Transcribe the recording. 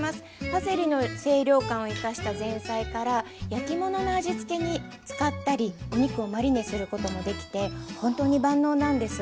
パセリの清涼感を生かした前菜から焼き物の味付けに使ったりお肉をマリネすることもできて本当に万能なんです。